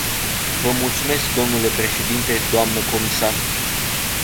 Vă mulțumesc, dle președinte, dnă comisar.